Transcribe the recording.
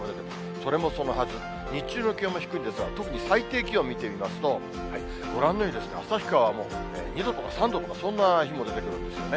それもそのはず、日中の気温も低いんですが、特に最低気温を見てみますと、ご覧のように旭川はもう２度とか３度とかそんな日も出てくるんですよね。